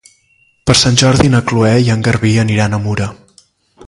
Per Sant Jordi na Cloè i en Garbí aniran a Mura.